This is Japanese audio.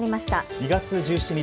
２月１７日